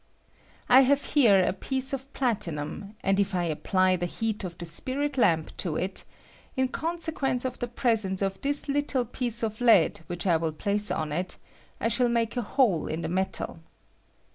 I have here a piece of plati num, and if I apply the heat of the spirit lamp to it, in consequence of the presence of thia little piece of lead which I will place on it, I shall make a hole in the metal.